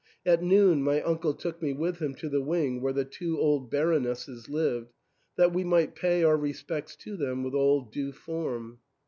At noon my uncle took me with him to the wing where the two old Baronesses lived, that we might pay our respects to them with all due form.